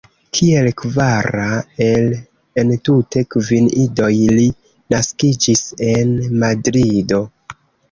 Kiel kvara el entute kvin idoj li naskiĝis en Madrido.